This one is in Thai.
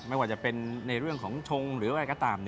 ไม่ว่าจะเป็นในเรื่องของชงหรืออะไรก็ตาม